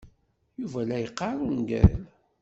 Yuba la yeqqar ungal.